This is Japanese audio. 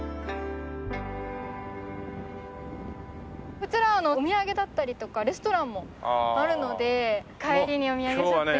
こちらお土産だったりとかレストランもあるので帰りにお土産ショップに。